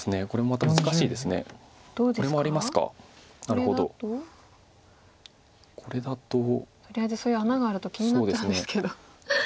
とりあえずそういう穴があると気になっちゃうんですけど。